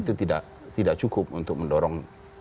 itu tidak cukup untuk mendorong